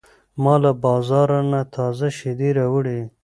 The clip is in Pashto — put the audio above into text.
ما له بازار نه تازه شیدې راوړې.